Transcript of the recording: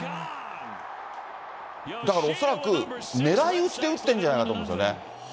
だから恐らく、狙い打ちで打ってるんじゃないかと思うんですよね。